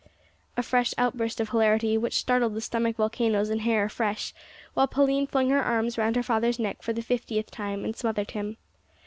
A fresh outburst of hilarity, which started the stomachic volcanoes and hair afresh, while Pauline flung her arms round her father's neck for the fiftieth time, and smothered him.